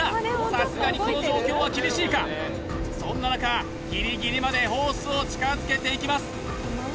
さすがにこの状況は厳しいかそんな中ギリギリまでホースを近づけていきます